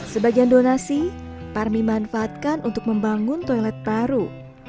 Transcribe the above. sebagian donasi parmi manfaatkan untuk membangun toilet baru